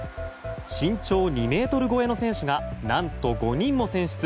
身長２ｍ超えの選手が何と５人も選出。